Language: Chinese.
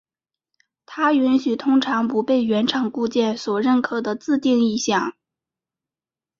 它允许通常不被原厂固件所认可的自定义项。